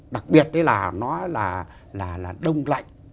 đặc biệt đấy là nó là đông lạnh